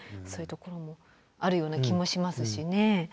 そういうところもあるような気もしますしね。